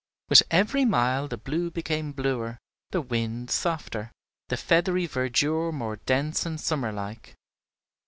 With every mile the blue became bluer, the wind softer, the feathery verdure more dense and summer like.